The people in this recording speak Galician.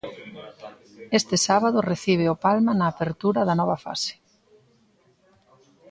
Este sábado recibe o Palma na apertura da nova fase.